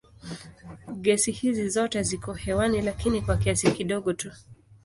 Gesi hizi zote ziko hewani lakini kwa kiasi kidogo tu.